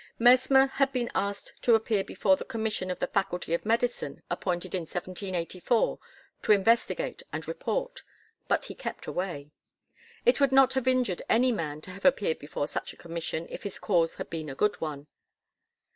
Mesmer had been asked to appear before the Commission of the Faculty of Medicine appointed in 1784 to investigate and report, but he kept away. It would not have injured any man to have appeared before such a commission if his cause had been a good one.